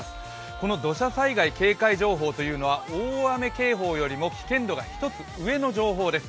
この土砂災害警戒情報というのは、大雨警報よりも危険度が１つ上の情報です。